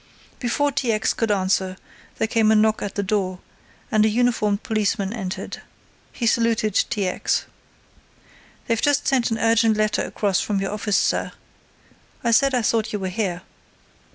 Before T. X. could answer there came a knock at the door, and a uniformed policeman, entered. He saluted T. X. "They've just sent an urgent letter across from your office, sir. I said I thought you were here."